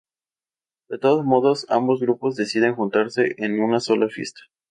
De todos modos, ambos grupos deciden juntarse en una sola fiesta.